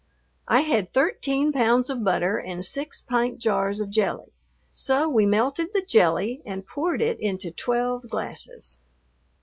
I had thirteen pounds of butter and six pint jars of jelly, so we melted the jelly and poured it into twelve glasses.